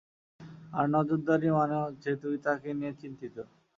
আর নজরদারি মানে হচ্ছে তুই তাকে নিয়ে চিন্তিত।